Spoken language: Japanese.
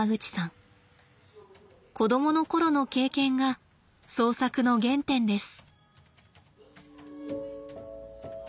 子供の頃の経験が創作の原点です。